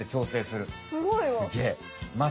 すごいわ！